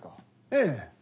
ええ。